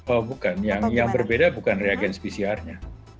oh bukan yang berbeda bukan reagen pcr nya